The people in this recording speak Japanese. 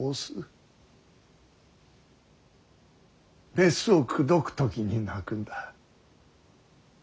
メスを口説く時に鳴くんだ。